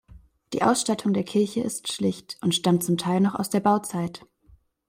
Die Ausstattung der Kirche ist schlicht und stammt zum Teil noch aus der Bauzeit.